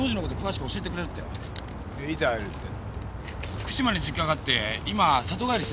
福島に実家があって今里帰りしてる。